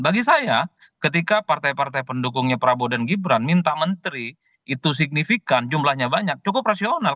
bagi saya ketika partai partai pendukungnya prabowo dan gibran minta menteri itu signifikan jumlahnya banyak cukup rasional